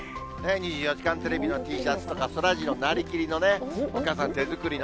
２４時間テレビのＴシャツとか、そらジロー、なりきりのね、お母さん、手作りの。